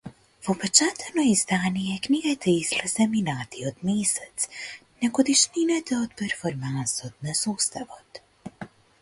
Во печатено издание книгата излезе минатиот месец, на годишнината од перформансот на составот.